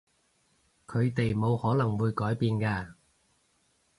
佢哋冇可能會改變㗎